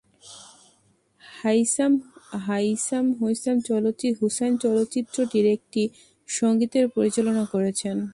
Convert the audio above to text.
হাইসাম হুসাইন চলচ্চিত্রটির একটি সঙ্গীতের পরিচালনা করেছেন।